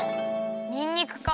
にんにくか。